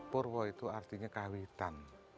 purwo itu artinya kawitan